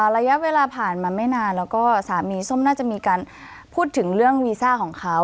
ระยะเวลาผ่านมาไม่นานแล้วก็สามีส้มน่าจะมีการพูดถึงเรื่องวีซ่าของเขา